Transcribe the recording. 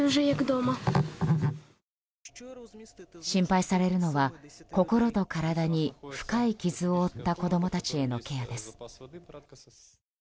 心配されるのは心と体に深い傷を負った子供たちへのケアです。